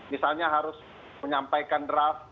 misalnya harus menyampaikan draft